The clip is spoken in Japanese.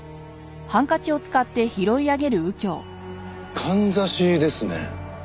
かんざしですね。